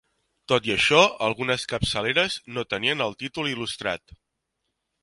Tot i això algunes capçaleres no tenien el títol il·lustrat.